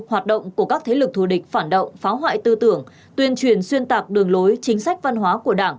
hoạt động của các thế lực thù địch phản động phá hoại tư tưởng tuyên truyền xuyên tạc đường lối chính sách văn hóa của đảng